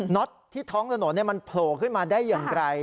็อตที่ท้องถนนมันโผล่ขึ้นมาได้อย่างไร